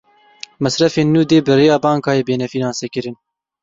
Mesrefên nû dê bi rêya bankayê bêne fînansekirin.